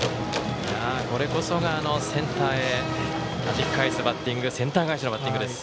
これこそが、センターへはじき返すバッティングセンター返しのバッティングです。